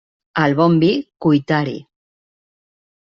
Al bon vi, cuitar-hi.